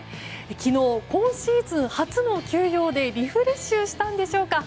昨日、今シーズン初の休養でリフレッシュしたんでしょうか。